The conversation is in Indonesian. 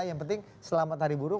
yang penting selamat hari buruh